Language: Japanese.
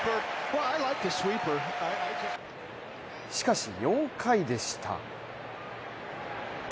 しかし、４回でした。